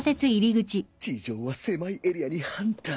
地上は狭いエリアにハンター。